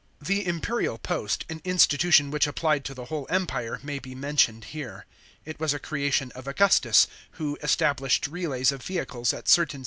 f The imperial post, an institution which applied to the whole Empire, may be mentioned here. It was a creation of Augustus, who established relays of vehicles at certain